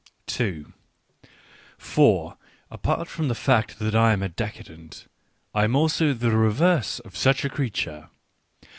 For, apart from the fact that I am a decadent, I am also the reverse of such a creature.